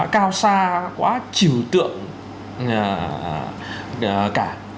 cao xa quá trừ tượng cả